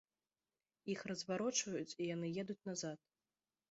Іх разварочваюць, і яны едуць назад.